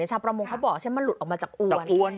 ในชาวประมงเขาบอกว่าเช่นมันหลุดออกมาจากอวน